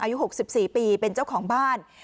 อายุ๖๔ปีเป็นเจ้าของบ้าน